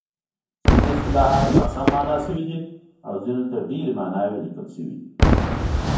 ځیني اصطلاحات ناسم مانا شوي دي او ځینو ته ډېرې ماناوې لیکل شوې دي.